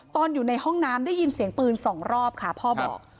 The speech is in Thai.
ตอนอยู่ในห้องน้ำได้ยินเสียงปืนสองรอบค่ะพ่อบอก